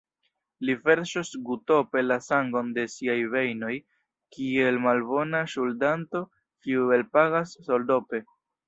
Li verŝos gutope la sangon de siaj vejnoj, kiel malbona ŝuldanto, kiu elpagas soldope.